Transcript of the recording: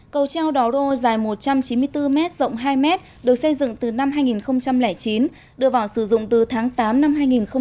cầu treo đó rô dài một trăm chín mươi bốn m rộng hai m được xây dựng từ năm hai nghìn chín đưa vào sử dụng từ tháng tám năm hai nghìn một mươi